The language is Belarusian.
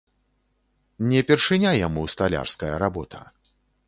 Не першыня яму сталярская работа.